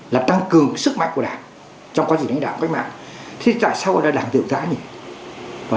là tăng cường sức mạnh của đảng trong quá trình đánh đảng quá trình đánh mạng